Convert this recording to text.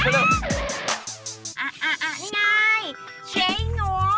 เก่งมากค่ะ